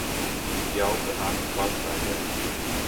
Jauka nakts pastaigai.